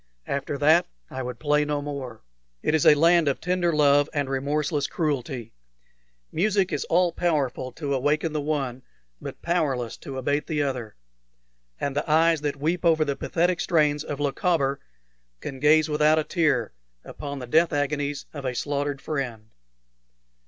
After that I would play no more. It is a land of tender love and remorseless cruelty. Music is all powerful to awaken the one, but powerless to abate the other; and the eyes that weep over the pathetic strains of "Lochaber" can gaze without a tear upon the death agonies of a slaughtered friend.